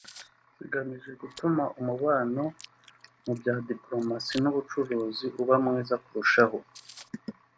zigamije gutuma umubano mu bya diopolomasi n’ ubucuruzi uba mwiza kurushaho